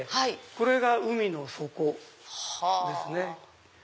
これが海の底ですね。